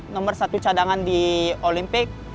nomor satu cadangan di olimpik